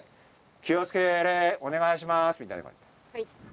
気をつけー、礼、お願いします、みたいな感じ。